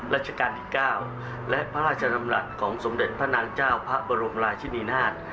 ราชการที่๙และพระราชดำรัฐของสมเด็จพระนางเจ้าพระบรมราชินีนาฏ